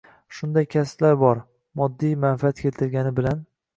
Shunday kasblar bor, moddiy manfaat keltirgani bilan